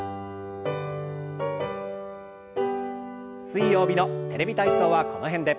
水曜日の「テレビ体操」はこの辺で。